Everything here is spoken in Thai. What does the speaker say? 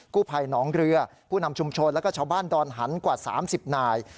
กู้ภัยหนองเรือผู้นำชุมชนแล้วก็ชาวบ้านดอนหันกว่า๓๐นาย